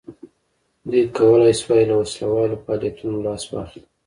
دوی کولای شوای له وسله والو فعالیتونو لاس واخلي.